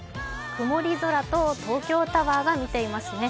曇り空と東京タワーが見えていますね。